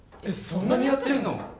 そんなにやってんの！？